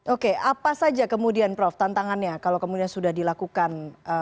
oke apa saja kemudian prof tantangannya kalau kemudian sudah dilakukan